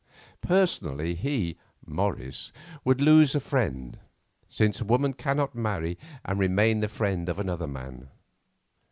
Personally he, Morris, would lose a friend, since a woman cannot marry and remain the friend of another man.